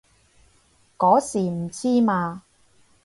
嗰時唔知嘛